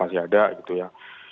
masih ada gitu ya